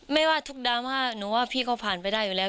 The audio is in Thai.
ไม่ว่าทุกดราม่าหนูว่าพี่ก็ผ่านไปได้อยู่แล้ว